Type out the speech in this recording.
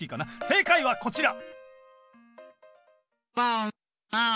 正解はこちら！